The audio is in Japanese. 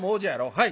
「はい。